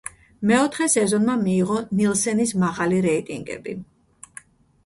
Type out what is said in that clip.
მეოთხე სეზონმა მიიღო ნილსენის მაღალი რეიტინგები.